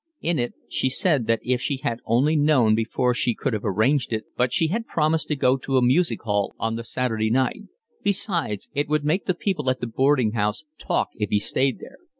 In it she said that if she had only known before she could have arranged it, but she had promised to go to a music hall on the Saturday night; besides, it would make the people at the boarding house talk if he stayed there.